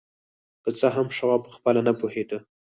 که څه هم شواب پخپله نه پوهېده